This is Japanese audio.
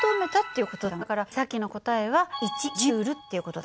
つまりだからさっきの答えは１Ｊっていう事だ。